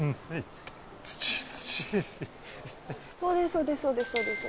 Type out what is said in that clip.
そうですそうです。